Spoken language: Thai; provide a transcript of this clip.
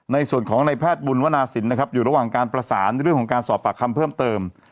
ในส่วนของในแพทย์บุญวนาศิลป์นะครับอยู่ระหว่างการประสานเรื่องของการสอบปากคำเพิ่มเติม